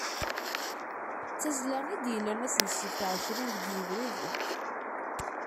D tazzla, i d-yellan ass-nni n ssebt εecrin deg yebrir zuǧ alaf u seεṭac, eg taddart n Uqaweǧ.